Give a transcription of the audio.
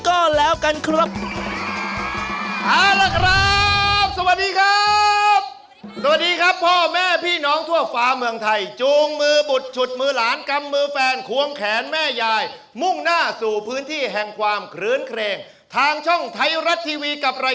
ก็แล้วกันครับ